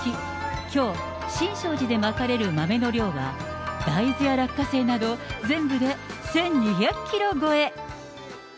きょう、新勝寺でまかれる豆の量は、大豆や落花生など、全部で１２００キロ超え。